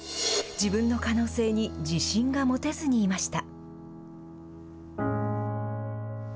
自分の可能性に自信が持てずにいました。